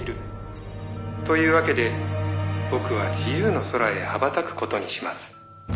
「というわけで僕は自由の空へ羽ばたく事にします」